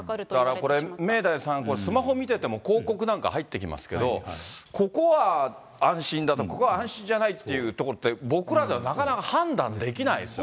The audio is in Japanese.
だからこれ、明大さん、スマホ見てても、広告なんか入ってきますけど、ここは安心だ、ここは安心じゃないっていうところは、僕らではなかなか判断できないですよね。